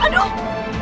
tapi jangan gitu